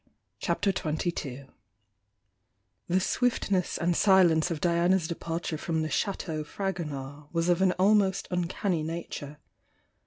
CHAPTER XXII The swiftness and silence of Diana's departure from the Chateau Fragonard was of an ahnost uncanny nature.